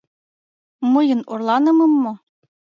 Мыйын орланымым мо?